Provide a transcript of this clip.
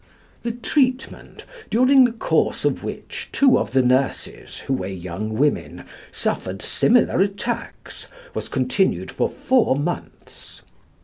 The treatment, during the course of which two of the nurses, who were young women, suffered similar attacks, was continued for four months.